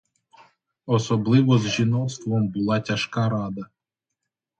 Особливо з жіноцтвом була тяжка рада.